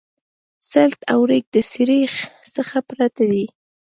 سلټ او ریګ د سریښ څخه پرته دي